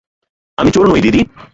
আমি চোর নই, দিদি।